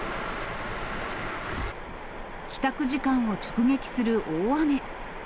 帰宅時間を直撃する大雨。